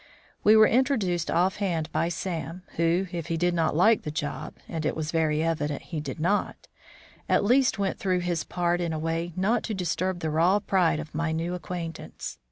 We were introduced offhand by Sam, who, if he did not like the job (and it was very evident he did not), at least went through his part in a way not to disturb the raw pride of my new acquaintance.